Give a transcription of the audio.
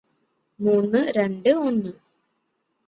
മൂന്ന് രണ്ട് ഒന്ന്